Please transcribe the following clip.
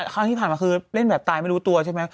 ครั้งที่ผ่านมาคือเล่นแบบตายไม่รู้ตัวใช่ไหม